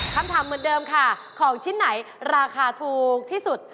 คำถามเหมือนเดิมค่ะของชิ้นไหนราคาถูกที่สุด